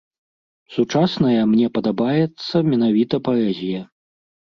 Сучасная мне падабаецца менавіта паэзія.